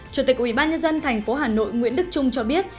chủ tịch ubnd tp hà nội nguyễn đức trung cho biết